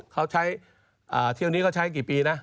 เขาใช้เที่ยวนี้เขาใช้กี่ปีนะ